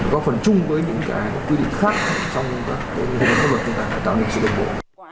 nó có phần chung với những cái quy định khác trong các cơ hội chúng ta đã tạo được sự đồng bộ